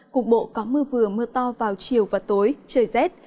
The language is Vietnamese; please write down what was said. cục bộ có mưa vừa mưa to vào chiều và tối trời rét